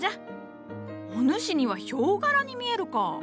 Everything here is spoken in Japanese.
お主にはヒョウ柄に見えるか。